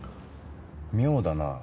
妙だなぁ。